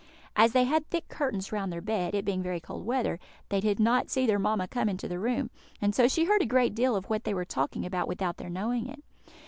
As they had thick curtains round their bed, it being very cold weather, they did not see their mamma come into the room, and so she heard a great deal of what they were talking about without their knowing it.